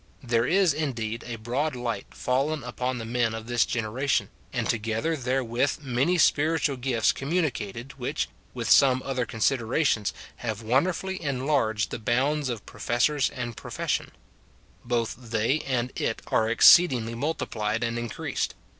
There is, indeed, a broad light fallen upon the men of this generation, and together therewith many spiritual gifts communicated, which, with some other considerations, have wonderfully enlarged the bounds of professors and profession ; both they and it are exceedingly multiplied and increased.